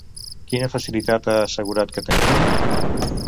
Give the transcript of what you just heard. Quina facilitat ha assegurat que tenien?